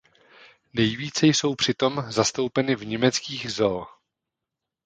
Nejvíce jsou přitom zastoupeny v německých zoo.